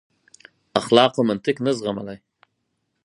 اخلاقو منطق نه زغملای.